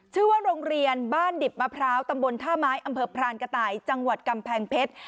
ชื่อว่าโรงเรียนบ้านดิบมะพร้าวตำบลท่าไม้อำเภอพรานกระต่ายจังหวัดกำแพงเพชร